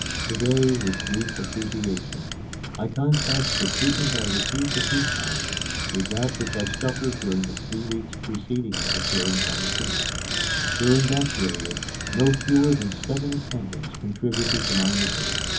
To day, with deep appreciation, I contrast the treatment I received at his hands with that which I suffered during the three weeks preceding his appearance on the scene. During that period, no fewer than seven attendants contributed to my misery.